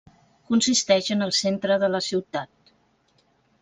Consisteix en el centre de la ciutat.